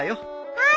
はい。